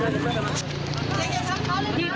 ไอ้